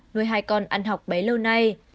nuôi hai con ăn học bé lâu nay